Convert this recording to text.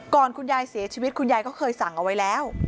คุณยายเสียชีวิตคุณยายก็เคยสั่งเอาไว้แล้ว